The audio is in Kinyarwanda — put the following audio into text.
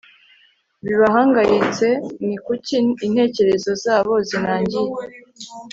bibahangayitse ni kuki intekerezo zabo zinangiye